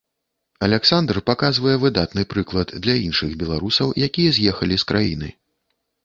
Аляксандр паказвае выдатны прыклад для іншых беларусаў, якія з'ехалі з краіны.